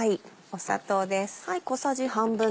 砂糖です。